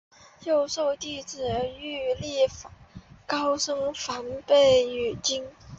又授弟子觅历高声梵呗于今。